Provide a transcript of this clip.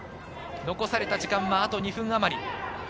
残された時間はあと２分あまり。